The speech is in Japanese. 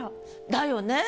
だよね